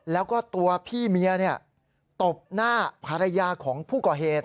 แล้วก็ตัวพี่เมียตบหน้าภรรยาของผู้ก่อเหตุ